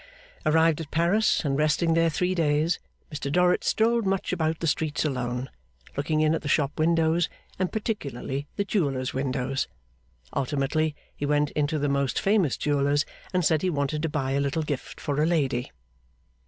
Arrived at Paris, and resting there three days, Mr Dorrit strolled much about the streets alone, looking in at the shop windows, and particularly the jewellers' windows. Ultimately, he went into the most famous jeweller's, and said he wanted to buy a little gift for a lady.